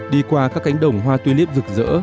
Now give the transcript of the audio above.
đi qua các cánh đồng hoa tulip rực rỡ